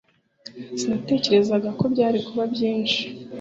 Sinatekerezaga ko byari kuba byinshi